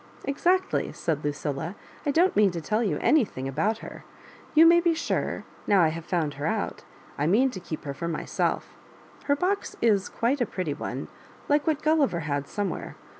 "Exactly," said Lucilla. "I don't mean to tell you anything about her. You may be sure, now I have found her out, I mean to keep her for myself Her box is quite a pretty one, like what Gulliver had somewhere.